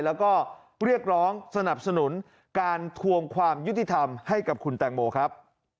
แล้วก็เรียกร้องสนับสนุนการทวงความยุติธรรมให้กับคุณแตงโมครับ